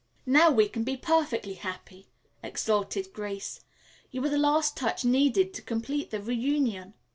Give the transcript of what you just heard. "Now we can be perfectly happy!" exulted Grace. "You are the last touch needed to complete the reunion."